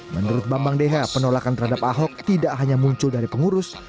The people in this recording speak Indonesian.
menurut bambang deha penolakan terhadap ahok tidak hanya muncul dari pengurus